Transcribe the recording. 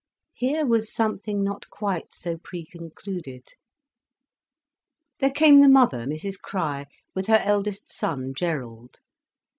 Here was something not quite so preconcluded. There came the mother, Mrs Crich, with her eldest son Gerald.